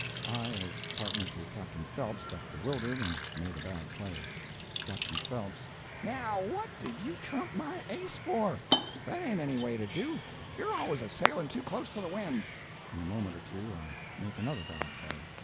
(I, as partner to Captain Phelps, got bewildered, and made a bad play.) Captain Phelps—"Now what did you trump my ace for? That ain't any way to do; you're always a sailin' too close to the wind." (In a moment or two I make another bad play.)